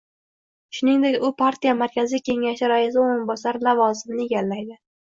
Shuningdek, u partiya markaziy kengashi raisi o‘rinbosari lavozimini egallaydi